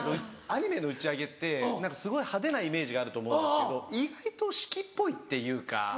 アニメの打ち上げってすごい派手なイメージがあると思うんですけど意外と式っぽいっていうか。